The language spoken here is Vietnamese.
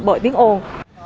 bởi tiếng ồn